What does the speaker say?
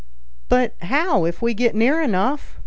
"But how if we get near enough?"